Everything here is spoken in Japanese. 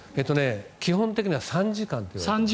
基本的には３時間といわれています。